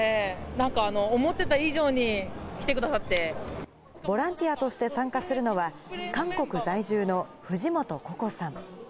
なんか思っていた以上に来てくだボランティアとして参加するのは、韓国在住の藤本己子さん。